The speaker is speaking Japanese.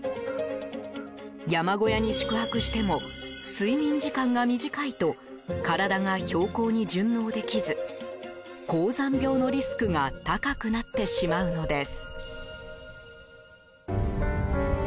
山小屋に宿泊しても睡眠時間が短いと体が標高に順応できず高山病のリスクが高くなってしまうのです。